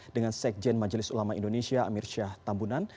dengan sekjen majelis ulama indonesia amir syah tambunan